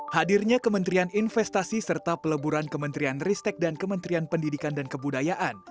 hadirnya kementerian investasi serta peleburan kementerian ristek dan kementerian pendidikan dan kebudayaan